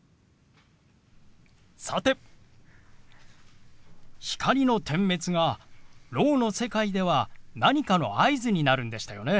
さて光の点滅がろうの世界では何かの合図になるんでしたよね。